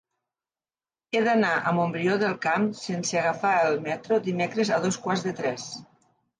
He d'anar a Montbrió del Camp sense agafar el metro dimecres a dos quarts de tres.